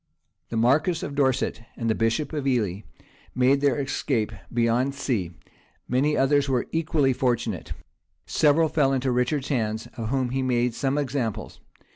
The marquis of Dorset and the bishop of Ely made their escape beyond sea; many others were equally fortunate; several fell into Richard's hands, of whom he made some examples.